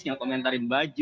tidak komentari baju